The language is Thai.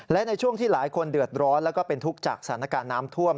และในช่วงที่หลายคนเดือดร้อนแล้วก็เป็นทุกข์จากสถานการณ์น้ำท่วม